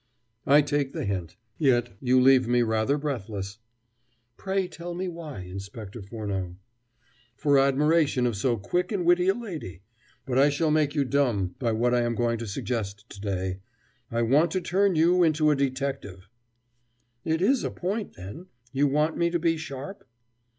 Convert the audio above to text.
"I take the hint. Yet you leave me rather breathless." "Pray tell me why, Inspector Furneaux." "For admiration of so quick and witty a lady. But I shall make you dumb by what I am going to suggest to day. I want to turn you into a detective " "It is a point, then. You want me to be sharp?"